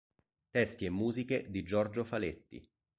Testi e musiche di Giorgio Faletti.